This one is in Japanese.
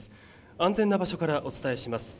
安全な場所からお伝えします。